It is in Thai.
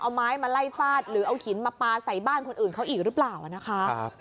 เอาไม้มาไล่ฟาดหรือเอาหินมาปลาใส่บ้านคนอื่นเขาอีกหรือเปล่านะคะ